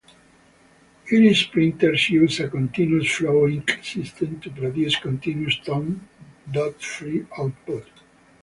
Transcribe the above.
Iris printers use a continuous flow ink system to produce continuous-tone dot free output.